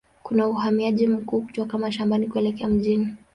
Kuna uhamiaji mkubwa kutoka mashambani kuelekea mjini.